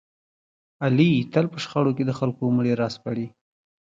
علي تل په شخړو کې د خلکو مړي را سپړي.